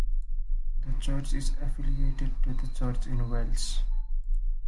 The church is affiliated to the Church in Wales.